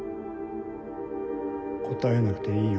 答えなくていいよ